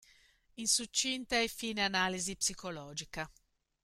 In succinta e fine analisi psicologica.